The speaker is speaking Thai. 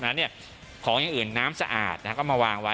นั้นเนี่ยของอย่างอื่นน้ำสะอาดนะเขาก็มาวางไว้